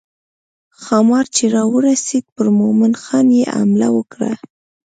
ښامار چې راورسېد پر مومن خان یې حمله وکړه.